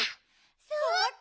そっか！